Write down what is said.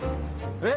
えっ？